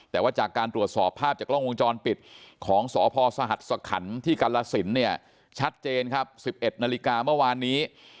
แต่ว่าจากการตรวจสอบภาพจากกล้องวงจรปิดของสพสหัสสขันที่กรสินเนี่ยชัดเจนครับ๑๑นาฬิกาเมื่อวานนี้